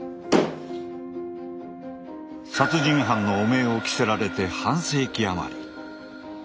殺人犯の汚名を着せられて半世紀余り。